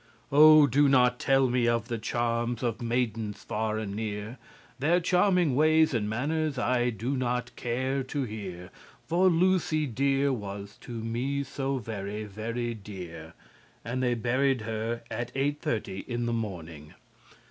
2 "_Oh, do not tell me of the charms of maidens far and near, Their charming ways and manners I do not care to hear, For Lucy dear was to me so very, very dear, And they buried her at eight thirty in the morning_.